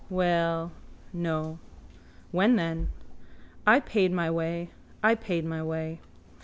Well... No. When, then? I paid my way. I paid my way.